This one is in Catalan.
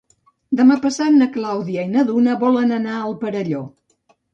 Demà passat na Clàudia i na Duna volen anar al Perelló.